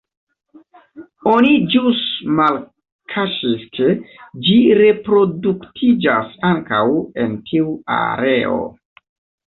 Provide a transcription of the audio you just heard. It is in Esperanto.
Oni ĵus malkaŝis, ke ĝi reproduktiĝas ankaŭ en tiu areo.